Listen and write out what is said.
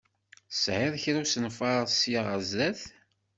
Tesεiḍ kra usenfaṛ ssya ɣer zzat?